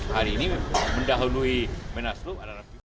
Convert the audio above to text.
hari ini mendahului menasluk